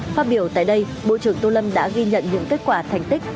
phát biểu tại đây bộ trưởng tô lâm đã ghi nhận những kết quả thành tích